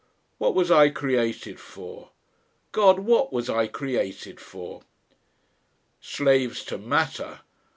What was I created for? God! what was I created for?... "Slaves to matter!